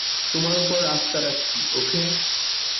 তোমার ওপর আস্থা রাখছি, ওকে?